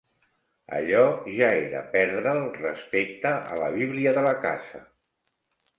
Allò ja era perdre'l respecte a la Bíblia de la Casa